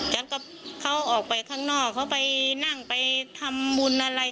แล้วก็เขาออกไปข้างนอกเขาไปนั่งไปทำบุญอะไร